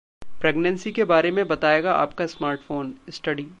pregnancy के बारे में बताएगा आपका स्मार्टफोन: स्टडी